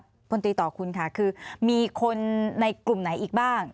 พลตีต่อคุณค่ะคือมีคนในกลุ่มไหนอีกบ้าง